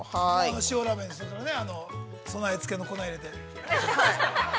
◆塩ラーメンにする、備えつけの粉を入れてね。